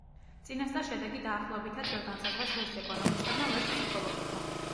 წინასწარ შედეგი დაახლოებითაც ვერ განსაზღვრეს ვერც ეკონომისტებმა, ვერც ფსიქოლოგებმა.